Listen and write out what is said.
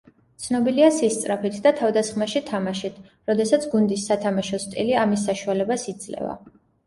ცნობილია სისწრაფით და თავდასხმაში თამაშით, როდესაც გუნდის სათამაშო სტილი ამის საშუალებას იძლევა.